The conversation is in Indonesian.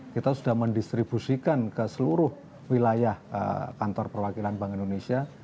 kita sudah mendistribusikan ke seluruh wilayah kantor perwakilan bank indonesia